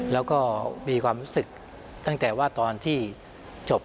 แล้วก็มีความรู้สึกตั้งแต่ว่าตอนที่จบ